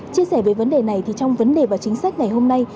chia sẻ về vấn đề này thì trong vấn đề và chính sách ngày hôm nay